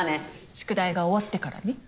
宿題が終わってからね。